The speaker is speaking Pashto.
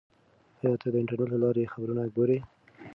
آیا ته د انټرنیټ له لارې خبرونه ګورې؟